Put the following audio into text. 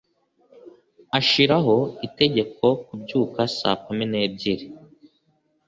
Ashiraho itegeko kubyuka saa kumi n'ebyiri.